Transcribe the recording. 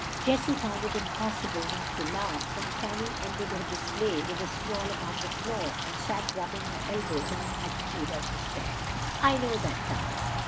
Jessie found it impossible not to laugh when Fanny ended her display with a sprawl upon the floor, and sat rubbing her elbows in an attitude of despair. "I know that dance!